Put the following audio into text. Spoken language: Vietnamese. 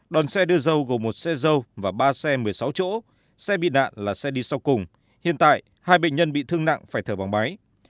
đòn xe đưa dâu gồm một xe dâu và ba xe một mươi sáu chỗ xe bị nạn là xe đi sau cùng hiện tại hai bệnh nhân bị thương nặng phải thở bằng máy